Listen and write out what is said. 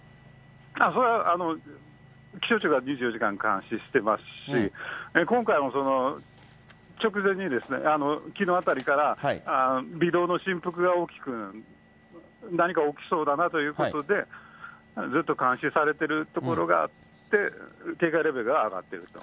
それは、気象庁が２４時間監視していますし、今回も直前に、きのうあたりから微動の振幅が大きく、何か起きそうだなということで、ずっと監視されてるところがあって、警戒レベルは上がっていると。